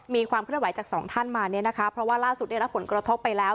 มีความเคลื่อนไหวจากสองท่านมาเนี่ยนะคะเพราะว่าล่าสุดได้รับผลกระทบไปแล้ว